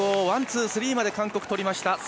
ワン、ツー、スリーまで韓国とりました。